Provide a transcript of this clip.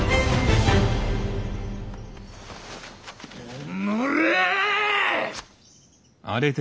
おのれ！